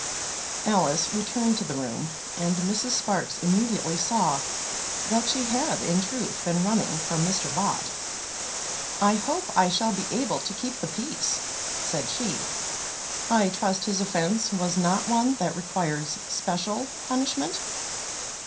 Alice returned to the room, and Mrs. Sparkes immediately saw that she had in truth been running from Mr. Bott. "I hope I shall be able to keep the peace," said she. "I trust his offence was not one that requires special punishment."